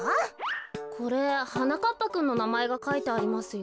これはなかっぱくんのなまえがかいてありますよ。